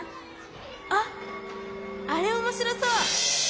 あっあれおもしろそう！